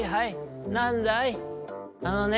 あのね